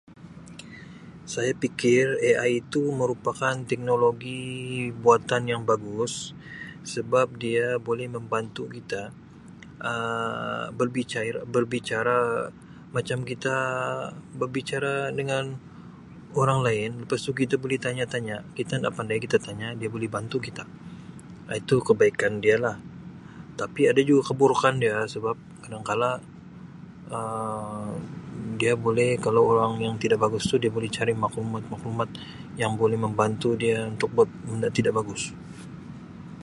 Saya pikir AI tu merupakan teknologi buatan yang bagus sebab dia boleh membantu kita Um berbicara macam kita berbicara dengan orang lain lepas tu kita pegi tanya-tanya, kita inda pandai, kita tanya dia boleh bantu kita. Um itu kebaikan dia lah, tapi ada juga keburukan dia sebab kadangkala Um dia boleh kalau orang yang tidak bagus tu dia boleh cari maklumat-maklumat yang boleh membantu untuk buat benda tidak bagus.